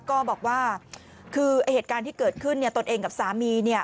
ก็บอกว่าคือเหตุการณ์ที่เกิดขึ้นเนี่ยตนเองกับสามีเนี่ย